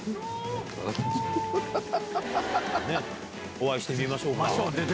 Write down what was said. お会いしてみましょうか。